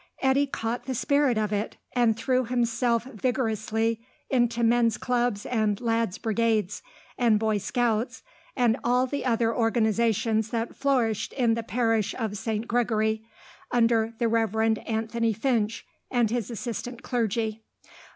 Eddy caught the spirit of it, and threw himself vigorously into men's clubs and lads' brigades, and boy scouts, and all the other organisations that flourished in the parish of St. Gregory, under the Reverend Anthony Finch and his assistant clergy.